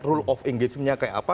rule of engagement nya kayak apa